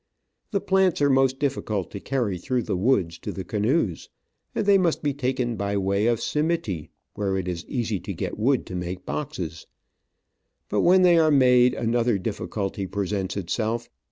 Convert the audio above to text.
The plants are most difficult to carry through the woods to the canoes, and they must be taken by way of Simiti, where it is easy to get wood to make boxes ; but when they are made another difficulty presents itself.